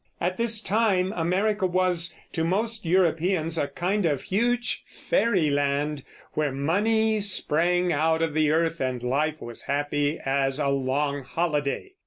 At this time America was, to most Europeans, a kind of huge fairyland, where money sprang out of the earth, and life was happy as a long holiday.